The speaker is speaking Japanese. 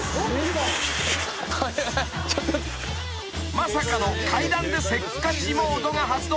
［まさかの階段でせっかちモードが発動］